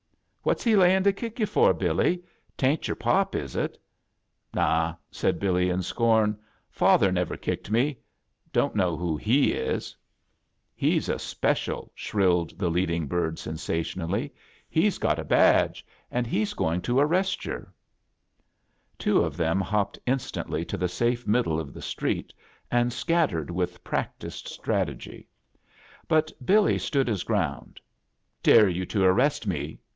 "What's he layin' to kick you for, Billy? 'Tain't yer pop, is it?" "Naw!" said Billy, in sconu "Father kicked me. Don't know who he A JOURNEY IN SEARCH OF CHRISTMAS "He's a speciall" shrilled the leading bird, seasationaUy. "He's got a badg^ and he's going to arrest yer." Two of them hopped instantly to the safe middle of the street, and scattered vith practised strategy; bat Billy stood his ground. "Dare you to arrest me!"